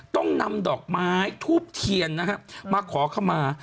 ต้องนำดอกไม้ทุบเทียนนะครับมาขอเข้ามา